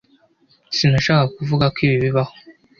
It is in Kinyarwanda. sinashakaga kuvuga ko ibi bibaho